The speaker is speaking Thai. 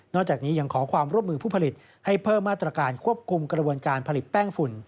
จากนี้ยังขอความร่วมมือผู้ผลิตให้เพิ่มมาตรการควบคุมกระบวนการผลิตแป้งฝุ่น